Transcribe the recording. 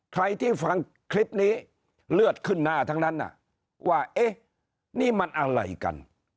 ใครที่ฟังคลิปนี้เลือดขึ้นหน้าทั้งนั้นว่าเอ๊ะนี่มันอะไรกัน